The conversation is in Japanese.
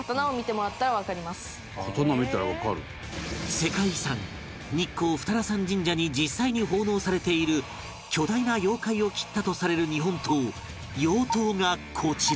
世界遺産日光二荒山神社に実際に奉納されている巨大な妖怪を斬ったとされる日本刀妖刀がこちら